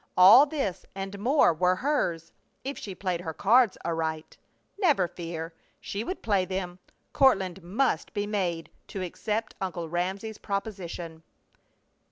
All this and more were hers if she played her cards aright. Never fear! She would play them! Courtland must be made to accept Uncle Ramsey's proposition!